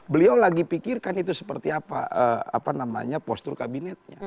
beliau lagi pikirkan itu seperti apa namanya postur kabinetnya